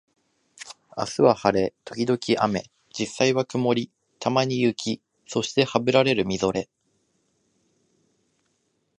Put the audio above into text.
明日は晴れ、時々雨、実際は曇り、たまに雪、そしてハブられるみぞれ